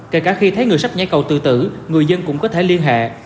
kể cả khi thấy người sách nhảy cầu tự tử người dân cũng có thể liên hệ